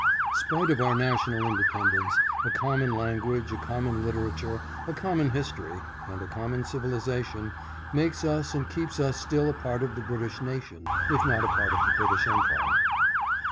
Spite of our national independence, a common language, a common literature, a common his tory, and a common civilization makes us and keeps us still a part of the British nation, if not a part of the British empire.